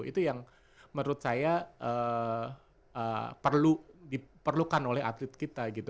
itu yang menurut saya perlu diperlukan oleh atlet kita gitu